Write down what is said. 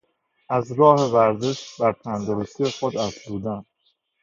از راه ورزش بر تندرستی خود افزودن